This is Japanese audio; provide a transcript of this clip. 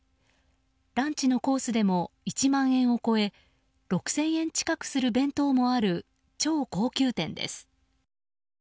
ランチのコースでも１万円を超え６０００円近くする弁当もある超高級店です。